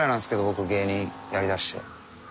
僕芸人やりだして。